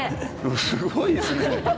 すごいですね。